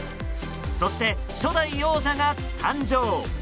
そして初代王者が誕生。